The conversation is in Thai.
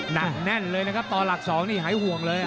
หนักแน่นเลยนะครับต่อหลัก๒นี่หายห่วงเลย